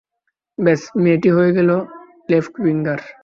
ব্যাস, মেয়েটি হয়ে গেল লেফট উইঙ্গার।